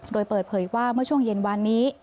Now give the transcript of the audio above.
โดยเปิดเผยว่าเมื่อช่วงเย็นวานนี้